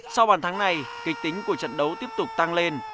sau bàn thắng này kịch tính của trận đấu tiếp tục tăng lên